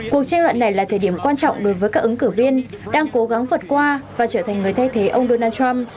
cuộc tranh luận này là thời điểm quan trọng đối với các ứng cử viên đang cố gắng vượt qua và trở thành người thay thế ông donald trump